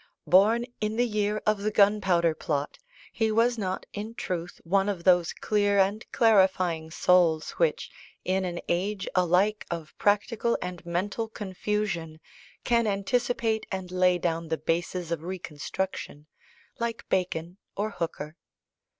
Born in the year of the Gunpowder Plot, he was not, in truth, one of those clear and clarifying souls which, in an age alike of practical and mental confusion, can anticipate and lay down the bases of reconstruction, like Bacon or Hooker.